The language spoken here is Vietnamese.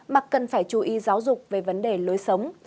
mà cần phải chú ý giáo dục về vấn đề lối sống